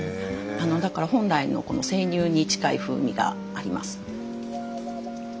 だから本来の生乳に近い風味があります。